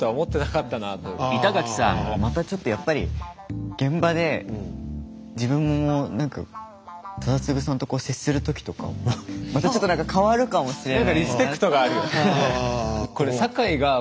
またちょっとやっぱり現場で自分も忠次さんと接する時とかまたちょっと何か変わるかもしれない。